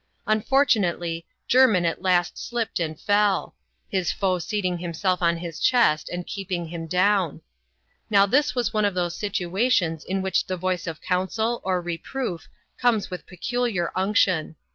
Unfortu nately, Jermin at last slipped and fell ; his foe seating himself on his chest, and keeping him down. Now this was one of those situations in which the voice of counsel, or reproof, comes with peculiar unction.